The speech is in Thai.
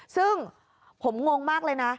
ซึ่งผมงงมากเลยนะ